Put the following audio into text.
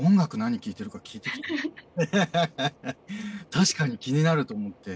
確かに気になると思って。